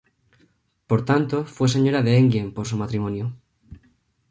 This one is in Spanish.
Por tanto, fue "señora de Enghien" por su matrimonio.